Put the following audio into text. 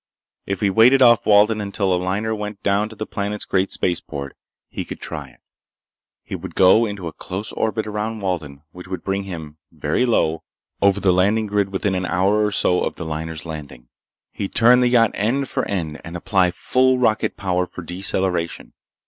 If he waited off Walden until a liner went down to the planet's great spaceport, he could try it. He would go into a close orbit around Walden which would bring him, very low, over the landing grid within an hour or so of the liner's landing. He'd turn the yacht end for end and apply full rocket power for deceleration.